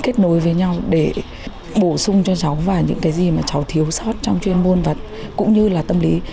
kết nối với nhau để bổ sung cho cháu và những cái gì mà cháu thiếu sót trong chuyên môn vật cũng như là tâm lý